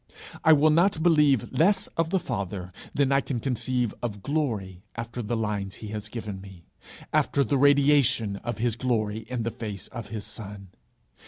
I will not believe less of the Father than I can conceive of glory after the lines he has given me, after the radiation of his glory in the face of his Son.